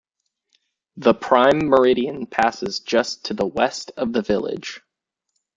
The Prime Meridian passes just to the west of the village.